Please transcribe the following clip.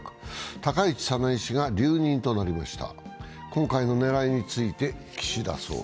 高市早苗氏が留任となりました。